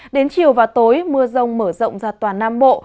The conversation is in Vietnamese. đến chiều và tối mưa rông mở rộng ra toàn nam bộ